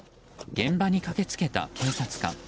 現場に駆け付けた警察官。